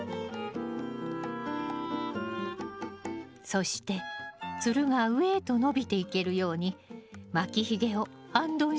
そしてつるが上へと伸びていけるように巻きひげをあんどん支柱に絡めてね。